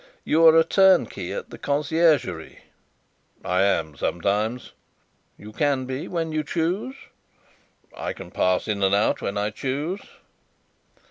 You are a turnkey at the Conciergerie?" "I am sometimes." "You can be when you choose?" "I can pass in and out when I choose."